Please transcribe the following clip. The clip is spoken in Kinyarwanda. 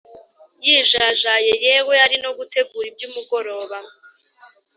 yijajaye yewe ari no gutegura ibyumugoroba.